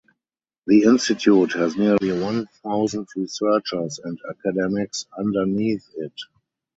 The institute has nearly one thousand researchers and academics underneath it.